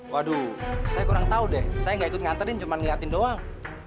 waduh saya kurang tahu deh saya gak ikut nganterin cuma ngeliatin doang